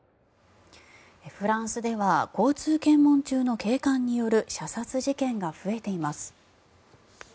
フランスでは交通検問中の警官による射殺事件が増えています。